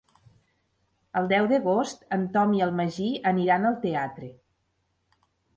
El deu d'agost en Tom i en Magí aniran al teatre.